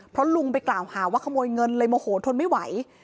เพราะลุงไปกล่าวหาว่าขโมยเงินเลยโมโหทนไม่ไหว